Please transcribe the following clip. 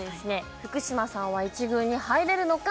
福嶌さんは１軍に入れるのか